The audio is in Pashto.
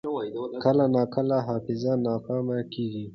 کله ناکله حافظه ناکامه کېږي.